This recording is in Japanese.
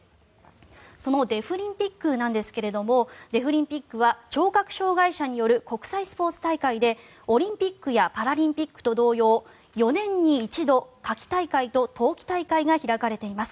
そのデフリンピックなんですがデフリンピックは聴覚障害者による国際スポーツ大会でオリンピックやパラリンピックと同様４年に一度夏季大会と冬季大会が開かれています。